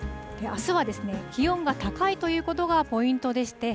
あすは気温が高いということがポイントでして、